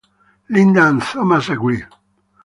Linda and Thomas agreed.